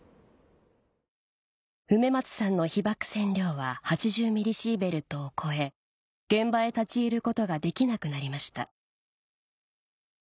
梅松さんの被ばく線量は８０ミリシーベルトを超え現場へ立ち入ることができなくなりました